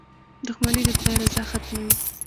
• دښمني د خدای رضا ختموي.